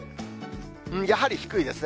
やはり低いですね。